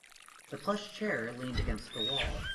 The plush chair leaned against the wall.